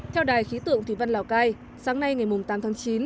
theo đài khí tượng thủy văn lào cai sáng nay ngày tám tháng chín